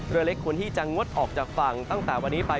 เรือเล็กควรที่จะงดออกจากฝั่งตั้งแต่วันนี้ไป